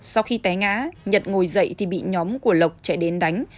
sau khi té ngã nhật ngồi dậy thì bị nhóm của lộc chạy đến đánh